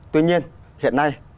tuy nhiên hiện nay